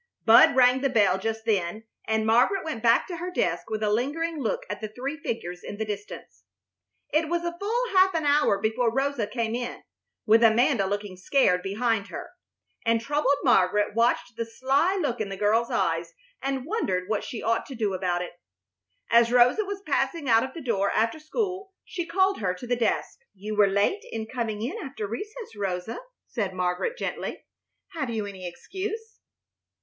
Bud rang the bell just then, and Margaret went back to her desk with a lingering look at the three figures in the distance. It was full half an hour before Rosa came in, with Amanda looking scared behind her; and troubled Margaret watched the sly look in the girl's eyes and wondered what she ought to do about it. As Rosa was passing out of the door after school she called her to the desk. "You were late in coming in after recess, Rosa," said Margaret, gently. "Have you any excuse?"